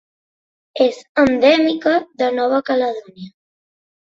És endèmica de Nova Caledònia.